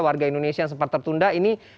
warga indonesia yang sempat tertunda ini